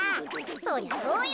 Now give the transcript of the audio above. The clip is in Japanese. そりゃそうよ。